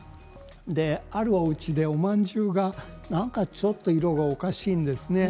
あるおうちでおまんじゅうがなんか、ちょっと色がおかしいんですね。